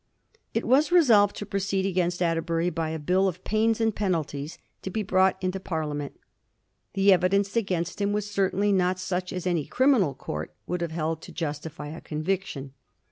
It was resolved to proceed against Atterbury by a Bill of Pains and Penalties to be brought into Parliament. The evidence against him was certainly not such as any criminal court would have held to justify a conviction.